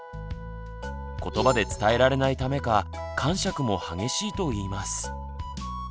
ことばで伝えられないためかかんしゃくも激しいといいます。